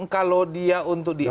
kalau dia untuk dietik